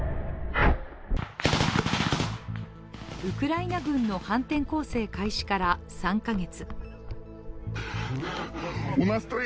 ウクライナ軍の反転攻勢開始から３か月。